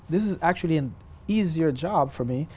tôi có thể làm điều đó